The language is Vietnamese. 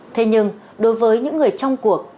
thế nhưng đối với những người trong cuộc